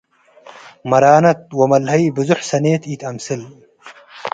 መራነት ወመለሀይ ብዙሕ ሰኔት ኢተአምስል